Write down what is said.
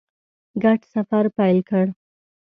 ګډ سفر پیل کړ.